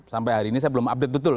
sampai hari ini saya belum update betul